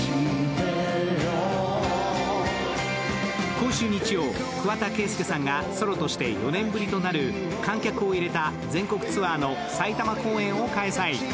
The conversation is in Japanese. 今週日曜、桑田佳祐さんがソロとして４年ぶりとなる観客を入れた全国ツアーの埼玉公演を開催。